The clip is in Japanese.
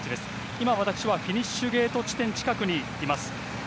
今、私はフィニッシュゲート地点近くにいます。